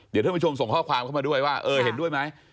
เดี๋ยวก็ส่งข้อความเห็นด้วยไหม